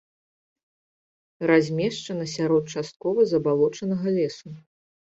Размешчана сярод часткова забалочанага лесу.